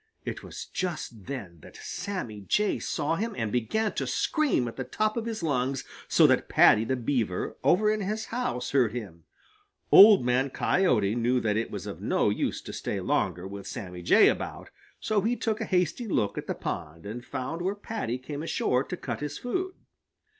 It was just then that Sammy Jay saw him and began to scream at the top of his lungs so that Paddy the Beaver over in his house heard him. Old Man Coyote knew that it was of no use to stay longer with Sammy Jay about, so he took a hasty look at the pond and found where Paddy came ashore to cut his food.